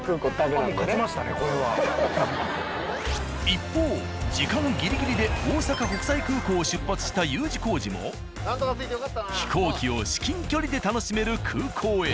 一方時間ギリギリで大阪国際空港を出発したＵ字工事も飛行機を至近距離で楽しめる空港へ。